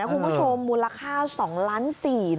คุณผู้ชมมูลค่า๒ล้าน๔บาท